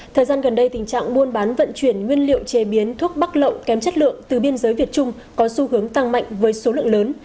thời gian gần đây tình trạng buôn bán vận chuyển nguyên liệu chế biến thuốc bắc lậu kém chất lượng từ biên giới việt trung có xu hướng tăng mạnh với số lượng lớn